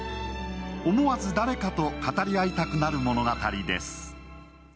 思わず誰かと語り合いたくなる物語です。